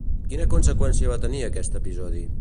Quina conseqüència va tenir aquest episodi?